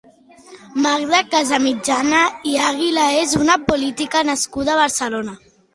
Magda Casamitjana i Aguilà és una política nascuda a Barcelona.